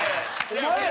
お前や！